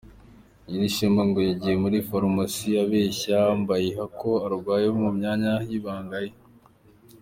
Nyirishema ngo yagiye muri farumasi abeshya Mbayiha ko arwaye mu myanya y’ibanga ye.